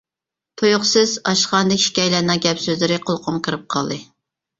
تۇيۇقسىز ئاشخانىدىكى ئىككىيلەننىڭ گەپ-سۆزلىرى قۇلىقىمغا كىرىپ قالدى.